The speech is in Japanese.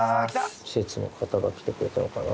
施設の方が来てくれたのかな。